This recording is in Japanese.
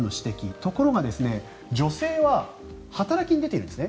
ところが、女性は働きに出ているんですね。